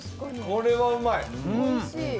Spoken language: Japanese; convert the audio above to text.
これはうまい。